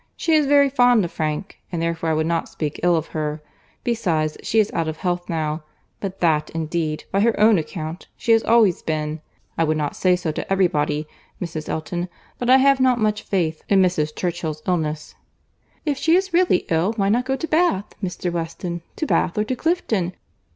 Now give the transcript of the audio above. She is very fond of Frank, and therefore I would not speak ill of her. Besides, she is out of health now; but that indeed, by her own account, she has always been. I would not say so to every body, Mrs. Elton, but I have not much faith in Mrs. Churchill's illness." "If she is really ill, why not go to Bath, Mr. Weston?—To Bath, or to Clifton?"